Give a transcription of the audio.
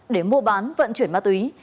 để mua bán vận chuyển ma túy